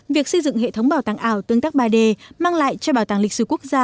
việc xây dựng hệ thống bảo tàng ảo tương tác ba d mang lại cho bảo tàng lịch sử quốc gia